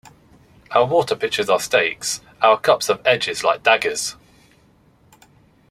Our water pitchers are stakes, our cups have edges like daggers.